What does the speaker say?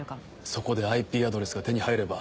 そこでＩＰアドレスが手に入れば。